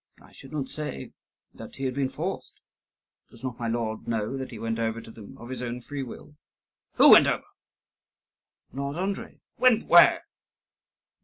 "I should not say that he had been forced. Does not my lord know that he went over to them of his own free will?" "Who went over?" "Lord Andrii." "Went where?"